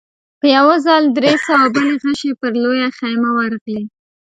په يوه ځل درې سوه بلې غشې پر لويه خيمه ورغلې.